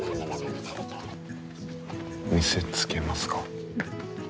見せつけますか？